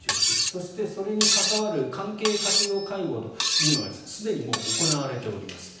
そしてそれに関わる関係閣僚会合というものがすでにもう行われております。